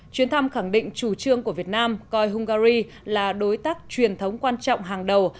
chuyến thăm khẳng định chủ trương của việt nam coi hungary là đối tác truyền thống quan trọng hàng đầu